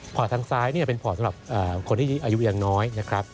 พอร์ตทางซ้ายนี่เป็นพอร์ตสำหรับคนที่อายุยังน้อย